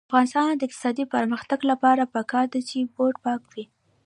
د افغانستان د اقتصادي پرمختګ لپاره پکار ده چې بوټ پاک وي.